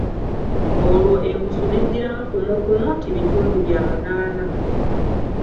Olwo enkusu n'eddiramu kumu kumu nti Bitundu bya munaana!